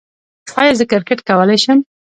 ایا زه کرکټ کولی شم؟